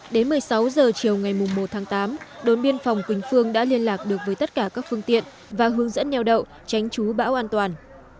đến một mươi sáu h chiều ngày một tháng tám đồn biên phòng quỳnh phương đã liên lạc được với tất cả các phương tiện và hướng dẫn neo đậu tránh chú bão an toàn